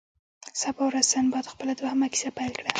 سبا ورځ سنباد خپله دوهمه کیسه پیل کړه.